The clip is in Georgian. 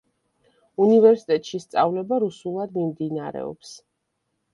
უნივერსიტეტში სწავლება რუსულად მიმდინარეობს.